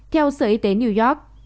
theo sở y tế new york